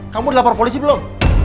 kamu dilapor polisi belum